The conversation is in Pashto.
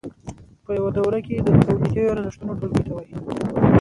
په یوه دوره کې د تولیدي ارزښتونو ټولګې ته وایي